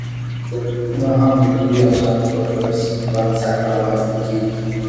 دولتونه هم د ملي افسانو پر بنسټ رامنځ ته کېږي.